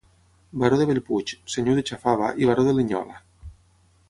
Baró de Bellpuig, senyor d'Utxafava i baró de Linyola.